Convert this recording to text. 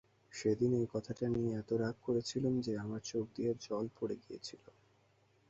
সেদিন এই কথাটা নিয়ে এত রাগ করেছিলুম যে আমার চোখ দিয়ে জল পড়ে গিয়েছিল।